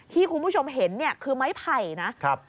ที่คุณผู้ชมเห็นคือไม้ไผ่นะ